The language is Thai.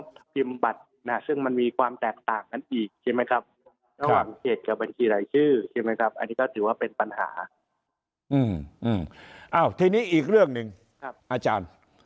ก็เลยทำให้จำยากตอนที่จำยากเนี่ยมันกระทบทุกฝ่าย